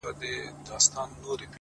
زحمت د هیلو کښت خړوبوي،